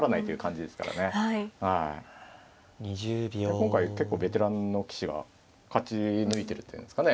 今回結構ベテランの棋士が勝ち抜いてるって言うんですかね。